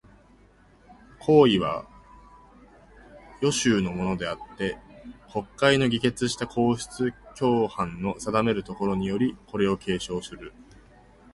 皇位は、世襲のものであつて、国会の議決した皇室典範の定めるところにより、これを継承する。